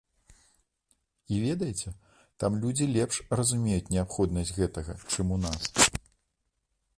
І ведаеце, там людзі лепш разумеюць неабходнасць гэтага, чым у нас.